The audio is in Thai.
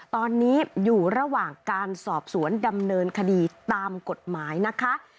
ตอนนี้อยู่ระหว่างการสอบสวนดำเนินคดีตามกฎหมายนะคะ